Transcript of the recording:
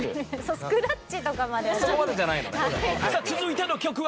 スクラッチとかまでは。